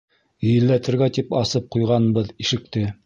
Елләтергә, тип асып ҡуйғанбыҙ ишекте.